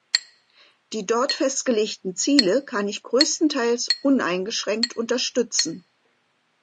Die dort festgelegten Ziele kann ich größtenteils uneingeschränkt unterstützen.